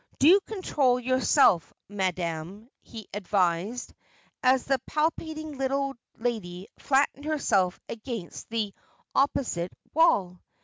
"Do control yourself, madam," he advised, as the palpitating little lady flattened herself against the opposite wall.